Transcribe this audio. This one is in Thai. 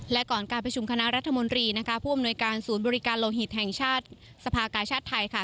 และก่อนการประชุมคณะรัฐมนตรีนะคะผู้อำนวยการศูนย์บริการโลหิตแห่งชาติสภากาชาติไทยค่ะ